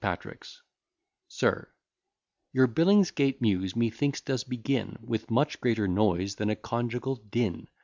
PATRICK'S SIR, Your Billingsgate Muse methinks does begin With much greater noise than a conjugal din.